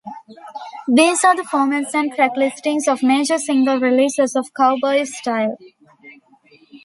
These are the formats and track listings of major single releases of "Cowboy Style".